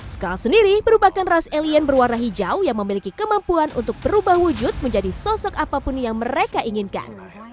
scall sendiri merupakan ras alien berwarna hijau yang memiliki kemampuan untuk berubah wujud menjadi sosok apapun yang mereka inginkan